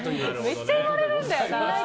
めっちゃ言われるんだよな。